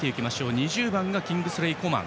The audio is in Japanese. ２０番がキングスレイ・コマン。